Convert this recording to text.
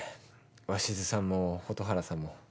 鷲津さんも蛍原さんも。